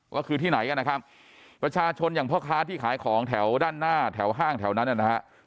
ว่าคือที่ไหนกันนะครับประชาชนอย่างพ่อค้าที่ขายของแถวด้านหน้าแถวห้างแถวนั้นนะฮะ